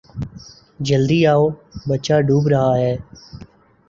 جلدی آو؛ بچہ ڈوب رہا ہے